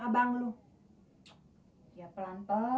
iya dah yang penting komisinya raya